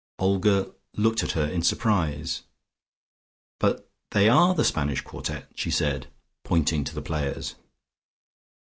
Olga looked at her in surprise. "But they are the Spanish Quartet!" she said pointing to the players.